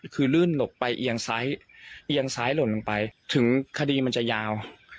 คือลื่นหลบไปเอียงซ้ายเอียงซ้ายหล่นลงไปถึงคดีมันจะยาว